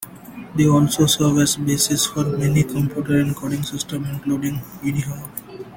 They also serve as the basis for many computer encoding systems, including Unihan.